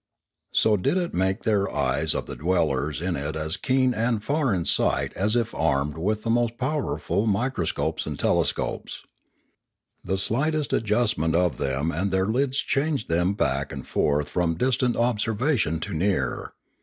So did it make the eyes of the dwellers in it as keen and far in sight as if armed with the most powerful microscopes and telescopes. The slightest adjustment of them and their lids changed them back and forth from distant observation to near.